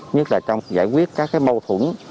nhất là trong giải quyết các mâu thuẫn